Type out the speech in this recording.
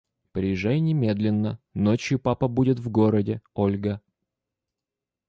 «Приезжай немедленно ночью папа будет в городе Ольга».